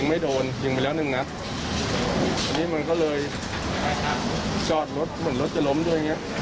มีการฆ่ากันห้วย